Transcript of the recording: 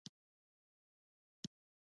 ایا تاسو د ماشومانو ډاکټر یاست؟